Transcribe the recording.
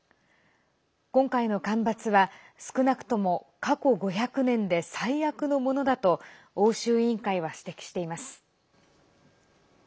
今回の干ばつは少なくとも過去５００年で最悪のものだと欧州委員会は指摘しています。